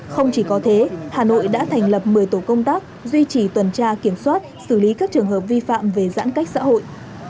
không chỉ có thế hà nội đã thành lập một mươi tổ công tác duy trì tuần tra kiểm soát xử lý các trường hợp vi phạm về giãn cách xã hội